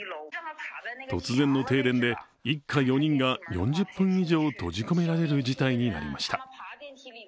突然の停電で一家４人が４０分以上閉じ込められる事態になりました。